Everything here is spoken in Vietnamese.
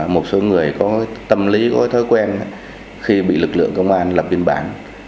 một số người có tâm lý có thói quen khi bị lực lượng công an lập biên bản